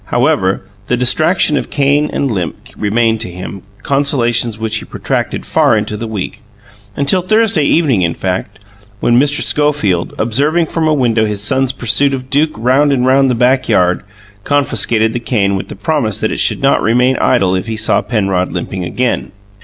However, the distinction of cane and limp remained to him, consolations which he protracted far into the week until Thursday evening, in fact, when Mr. Schofield, observing from a window his son's pursuit of Duke round and round the backyard, confiscated the cane, with the promise that it should not remain idle if he saw Penrod limping again.